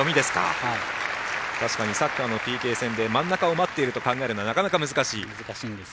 確かにサッカーのＰＫ戦で真ん中を待っていると考えるのはなかなか難しい。